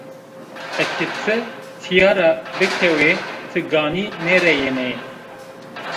Eke ti tîya ra bikewê, ti ganî nêreyenî